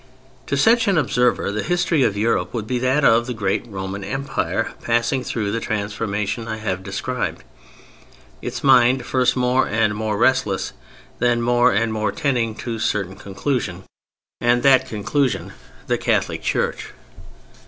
To such an observer the history of Europe would be that of the great Roman Empire passing through the transformation I have described: its mind first more and more restless, then more and more tending to a certain conclusion, and that conclusion the Catholic Church.